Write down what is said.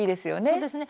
そうですね。